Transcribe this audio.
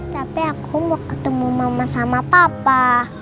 tapi aku mau ketemu mama sama papa